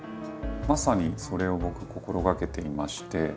まさにそれを僕心がけていまして。